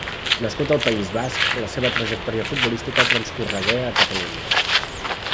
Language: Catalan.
Nascut al País Basc, la seva trajectòria futbolística transcorregué a Catalunya.